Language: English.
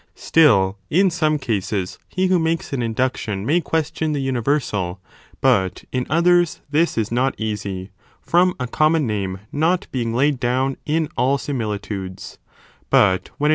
* Still, in some cases, he who makes an {Vide ch. 1s induction may question the universal, but in Whately, iv. 1. others this is not easy, from a common name not being laid down in all similitudes,t but when it is + 1.